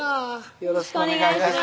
よろしくお願いします